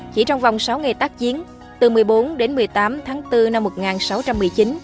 chỉ trong vòng sáu ngày tác chiến từ một mươi bốn đến một mươi tám tháng bốn năm một nghìn sáu trăm một mươi chín